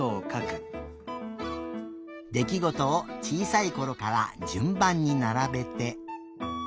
できごとをちいさいころからじゅんばんにならべて。